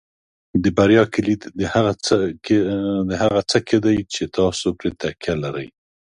د بریا کلید د هغه څه کې دی چې تاسو پرې تکیه لرئ.